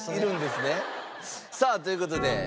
さあという事で。